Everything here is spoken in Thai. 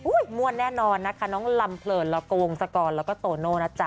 ม่วนแน่นอนนะคะน้องลำเพลินแล้วก็วงศกรแล้วก็โตโน่นะจ๊